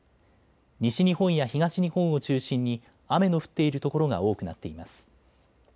西日本や東日本を中心に雨の降っている所が多くなっています。